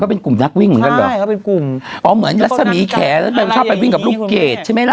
เขาเป็นกลุ่มนักวิ่งเหมือนกั้นเหรอเหมือนลักษมณีแขนแล้วก็ชอบไปวิ่งกับลูกเกดใช่ไหมล่ะ